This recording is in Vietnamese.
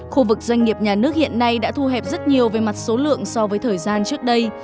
khu vực doanh nghiệp nhà nước hiện nay đã thu hẹp rất nhiều về mặt số lượng so với thời gian trước đây